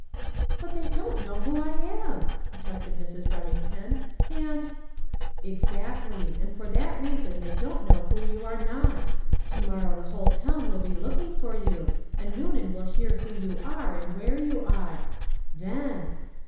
"But they don't know who I am!" protested Mrs. Remington. "And " "Exactly, and for that reason they don't know who you are not. Tomorrow the whole town will be looking for you, and Noonan will hear who you are and where you are. Then!